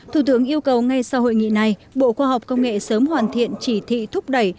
thủ tướng yêu cầu ngay sau hội nghị này bộ khoa học công nghệ sớm hoàn thiện chỉ thị thúc đẩy